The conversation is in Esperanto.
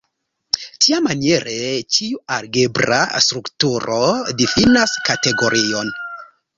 Tiamaniere, ĉiu algebra strukturo difinas kategorion.